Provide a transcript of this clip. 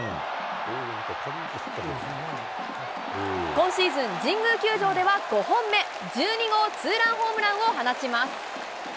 今シーズン神宮球場では５本目、１２号ツーランホームランを放ちます。